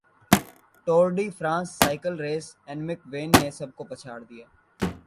Tour de France cycle race اینمک وین نے سب کو پچھاڑدیا